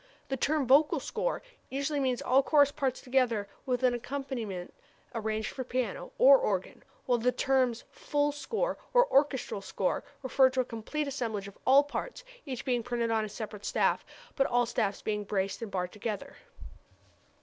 The term vocal score usually means all chorus parts together with an accompaniment arranged for piano or organ, while the terms full score and orchestral score refer to a complete assemblage of all parts, each being printed on a separate staff, but all staffs being braced and barred together.